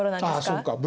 あっそうか。